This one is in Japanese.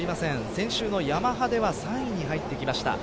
先週のヤマハでは３位に入ってきました。